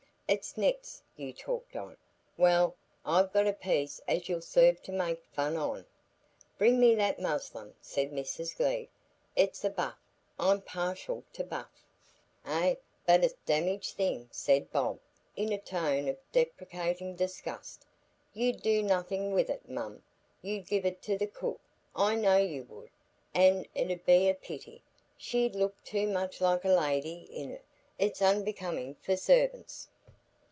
It's nets you talked on; well, I've got a piece as 'ull serve you to make fun on——" "Bring me that muslin," said Mrs Glegg. "It's a buff; I'm partial to buff." "Eh, but a damaged thing," said Bob, in a tone of deprecating disgust. "You'd do nothing with it, mum, you'd give it to the cook, I know you would, an' it 'ud be a pity,—she'd look too much like a lady in it; it's unbecoming for servants."